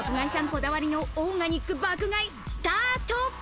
こだわりのオーガニック爆買いスタート！